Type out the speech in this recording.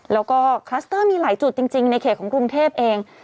แล้วก็คลัสเตอร์มีหลายจุดจริงในเขตของกรุงเทพเอง